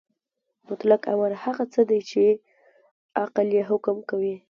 مطلق امر هغه څه دی چې عقل یې حکم کوي.